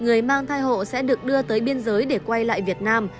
người mang thai hộ sẽ được đưa tới biên giới để quay lại việt nam